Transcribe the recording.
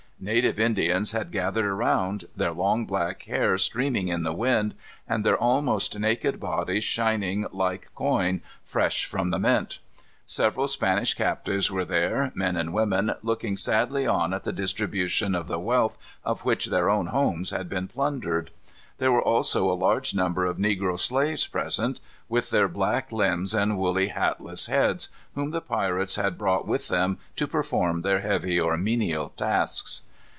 Native Indians had gathered around, their long, black hair streaming in the wind, and their almost naked bodies shining like coin fresh from the mint. Several Spanish captives were there, men and women, looking sadly on at the distribution of the wealth of which their own homes had been plundered. There were also a large number of negro slaves present, with their black limbs and woolly, hatless heads, whom the pirates had brought with them to perform their heavy or menial tasks.